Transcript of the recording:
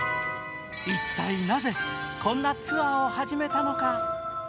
一体なぜ、こんなツアーを始めたのか？